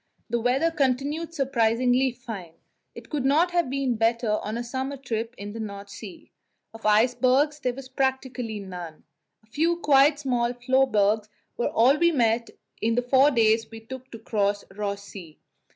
The weather continued surprisingly fine; it could not have been better on a summer trip in the North Sea. Of icebergs there was practically none; a few quite small floebergs were all we met with in the four days we took to cross Ross Sea.